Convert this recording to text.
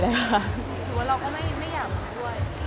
หรือว่าเราก็ไม่อยากอยู่ด้วย